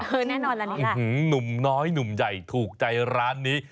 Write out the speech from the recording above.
แน่นอนแบบนี้ล่ะอือหือน้ำน้อยน้ำใหญ่ถูกใจร้านนี้